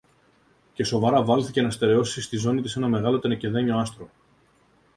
και σοβαρά βάλθηκε να στερεώσει στη ζώνη της ένα μεγάλο τενεκεδένιο άστρο.